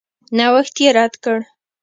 نوښت یې رد کړ.